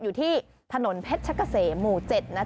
อยู่ที่ถนนเพชรกะเสมหมู่๗